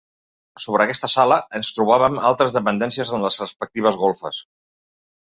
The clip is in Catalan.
Sobre aquesta sala es trobaven altres dependències amb les respectives golfes.